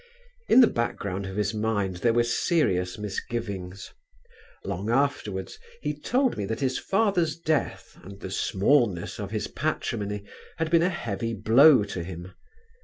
In the background of his mind there were serious misgivings. Long afterwards he told me that his father's death and the smallness of his patrimony had been a heavy blow to him.